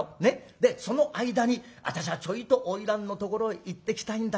でその間に私はちょいと花魁のところへ行ってきたいんだがな。